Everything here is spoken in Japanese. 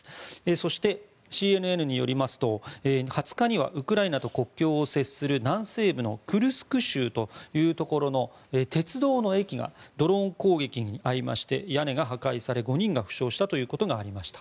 そしてＣＮＮによりますと２０日にはウクライナと国境を接する南西部のクルスク州というところの鉄道の駅がドローン攻撃に遭いまして屋根が破壊され５人が負傷したということがありました。